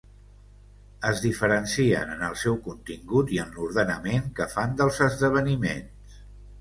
Es diferencien en el seu contingut i en l'ordenament que fan dels esdeveniments.